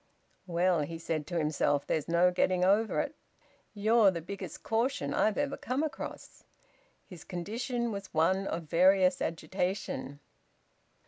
"Well," he said to himself, "there's no getting over it. You're the biggest caution I've ever come across!" His condition was one of various agitation.